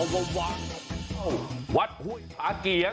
วัดห้วยผาเกียง